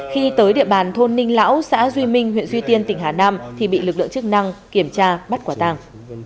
khi tới địa bàn thôn ninh lão xã duy minh huyện duy tiên tỉnh hà nam thì bị lực lượng chức năng kiểm tra bắt quả tàng